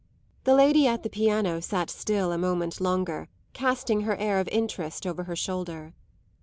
The lady at the piano sat still a moment longer, casting her air of interest over her shoulder.